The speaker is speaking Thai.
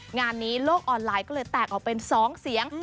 งานนี้โลกออนไลน์ก็เลยแตกออกเป็น๒เสียง